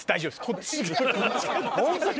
こっちが。